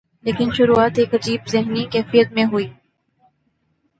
لیکن شروعات ایک عجیب ذہنی کیفیت میں ہوئی۔